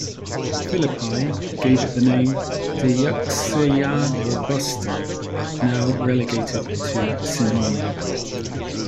Philippi gave it the name "Deyeuxia robusta", now relegated to synonymy.